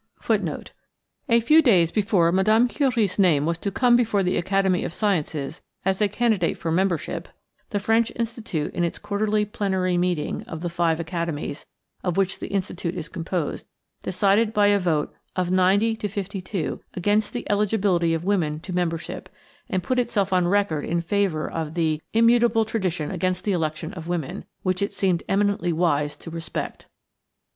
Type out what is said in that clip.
A few days before Mme. Curie's name was to come before the Academy of Sciences as a candidate for membership, the French Institute in its quarterly plenary meeting of the five academies, of which the Institute is composed, decided by a vote of ninety to fifty two against the eligibility of women to membership, and put itself on record in favor of the "immutable tradition against the election of women, which it seemed eminently wise to respect."